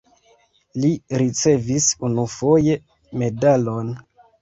Li ricevis unufoje medalon.